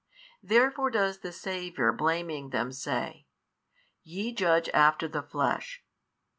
Therefore does the Saviour blaming them say, YE judge after the flesh.